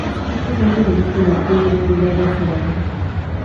Su pico es ancho y robusto, con el culmen curvado hacia abajo.